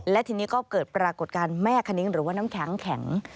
และทีนี้ก็เกิดปรากฏการณ์แม่คณิ้งหรือว่าน้ำแข็งแข็ง